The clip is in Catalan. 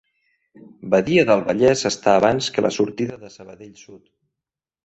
Badia del Vallès està abans que la sortida de Sabadell Sud.